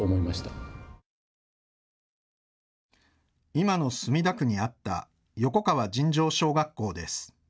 今の墨田区にあった横川尋常小学校です。